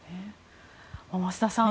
増田さん